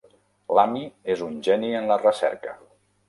L'Amy és un geni en la recerca.